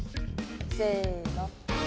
せの。